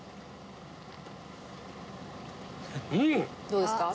どうですか？